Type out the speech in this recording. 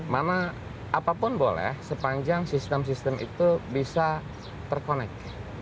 mana apapun boleh sepanjang sistem sistem itu bisa terkonek